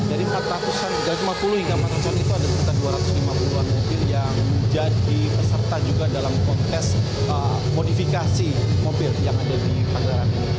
jadi tiga ratus lima puluh hingga empat ratus mobil itu ada sekitar dua ratus lima puluh mobil yang jadi peserta juga dalam kontes modifikasi mobil yang ada di pameran ini